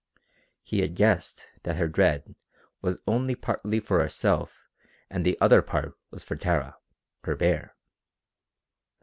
He had guessed that her dread was only partly for herself and that the other part was for Tara, her bear.